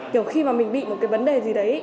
kiểu khi mà mình bị một cái vấn đề gì đấy